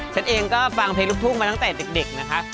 ฉันเองก็ฟังเพลงลูกทุ่งมาตั้งแต่เด็กนะคะ